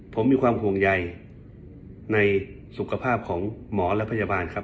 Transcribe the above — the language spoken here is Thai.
ผมมีความห่วงใยในสุขภาพของหมอและพยาบาลครับ